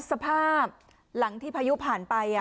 สภาพหลังที่พายุผ่านไป